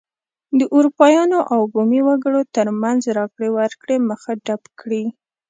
د اروپایانو او بومي وګړو ترمنځ راکړې ورکړې مخه ډپ کړي.